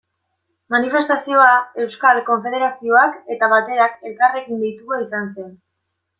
Manifestazioa Euskal Konfederazioak eta Baterak elkarrekin deitua izan zen.